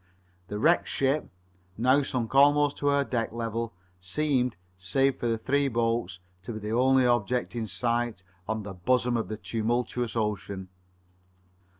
The wrecked ship, now sunk almost to her deck level, seemed, save for the three boats, to be the only object in sight on the bosom of the tumultuous ocean.